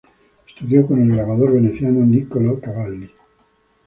Estudió con el grabador veneciano Niccolo Cavalli.